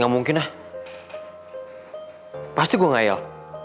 gua kepukuhan baru